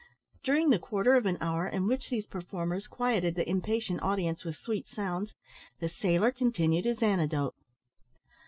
During the quarter of an hour in which these performers quieted the impatient audience with sweet sounds, the sailor continued his anecdote.